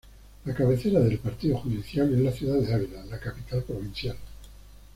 La cabecera del partido judicial es la ciudad de Ávila, la capital provincial.